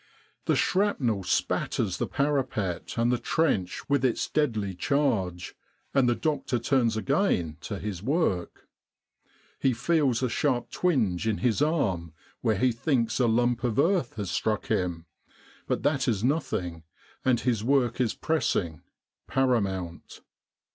The shrapnel spatters the parapet and the trench with its deadly charge, and the doctor turns again to his work. He feels a sharp twinge in his arm where he thinks a lump of earth struck him, but that is nothing, and his work is pressing, paramount.